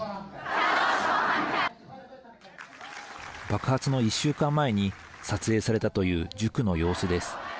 爆発の１週間前に撮影されたという塾の様子です。